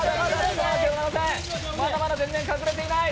まだまだ全然隠れていない！